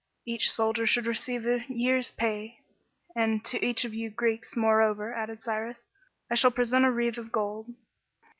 Each soldier should receive a year's pay, and "to each of you Greeks, moreover/' added Cyrus, " I shall present a wreath of gold."